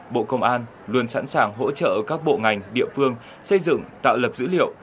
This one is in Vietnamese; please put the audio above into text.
bộ công an luôn sẵn sàng hỗ trợ các bộ ngành địa phương xây dựng tạo lập dữ liệu